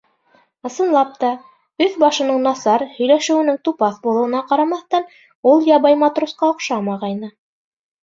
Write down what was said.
Ысынлап та, өҫ-башының насар, һөйләшеүенең тупаҫ булыуына ҡарамаҫтан, ул ябай матросҡа оҡшамағайны.